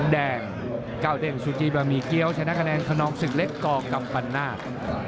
แดงเก้าเด้งซูจีบะหมี่เกี้ยวชนะคะแนนคนนองศึกเล็กกัมปันนาค